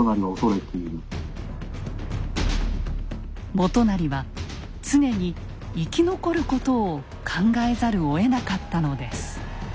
元就は常に生き残ることを考えざるをえなかったのです。